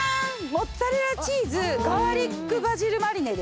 モッツァレラチーズガーリックバジルマリネです。